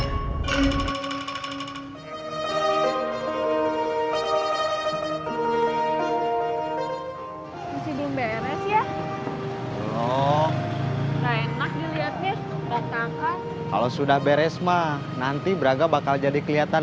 masih belum beres ya belum enak dilihatnya kalau sudah beres mah nanti braga bakal jadi kelihatan